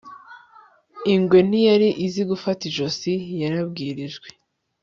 ingwe ntiyari izi gufata ijosi yarabwirijwe